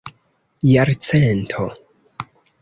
jarcento